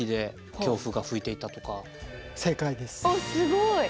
あっすごい！